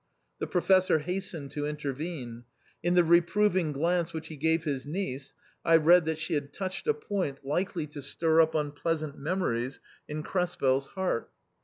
The Professor hastened to intervene ; in the reproving glance which he gave his niece I read that she had touched a point likely to stir up unpleasant memories in Krespel's heart.